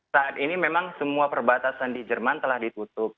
saat ini memang semua perbatasan di jerman telah ditutup